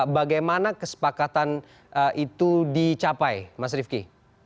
bagaimana kesepakatan itu dicapai mas rifki